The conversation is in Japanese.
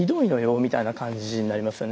みたいな感じになりますよね。